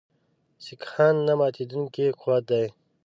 سیکهان نه ماتېدونکی قوت دی.